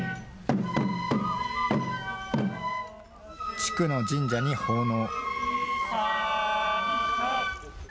地区の神社に奉納。